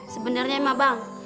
sebenernya emak bang